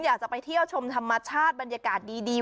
อยากจะไปเที่ยวชมธรรมชาติบรรยากาศดี